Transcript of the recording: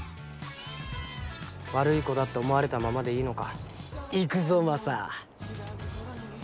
悪い子だって思われたままでいいのか？